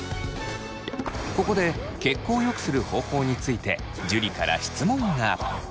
ここで血行を良くする方法について樹から質問が。